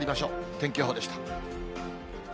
天気予報でした。